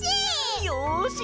よし！